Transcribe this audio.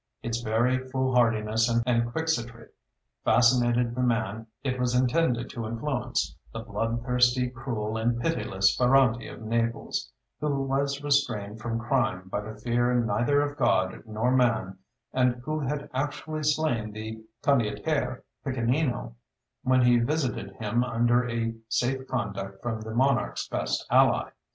Its very foolhardiness and quixotry fascinated the man it was intended to influence, the blood thirsty, cruel, and pitiless Ferrante of Naples, who was restrained from crime by the fear neither of God nor man, and who had actually slain the condottiere Piccinino when he visited him under a safe conduct from the monarch's best ally.